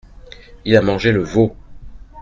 Il a mangé le veau !